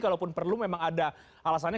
kalaupun perlu memang ada alasannya